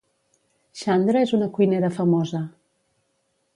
Xandra és una cuinera famosa.